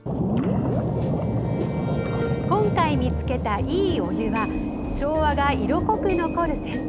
今回見つけた、いいお湯は昭和が色濃く残る銭湯。